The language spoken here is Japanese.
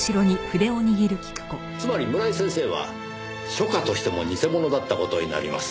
つまり村井先生は書家としても偽者だった事になります。